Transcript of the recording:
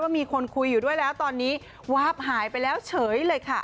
มีคนคุยอยู่ด้วยแล้วตอนนี้วาบหายไปแล้วเฉยเลยค่ะ